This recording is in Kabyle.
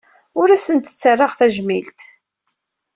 Ur asent-ttarraɣ tajmilt.